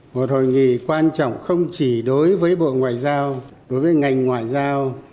một hội nghị quan trọng không chỉ đối với bộ ngoại giao đối với ngành ngoại giao